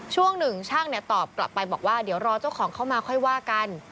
ช่วงหนึ่งช่างตอบกลับไปบอกว่าเดี๋ยวรอเจ้าของเข้ามาค่อยว่ากัน